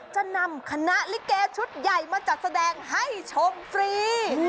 จะนำคณะลิเกชุดใหญ่มาจัดแสดงให้ชมฟรี